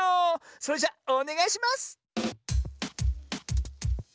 それじゃおねがいします！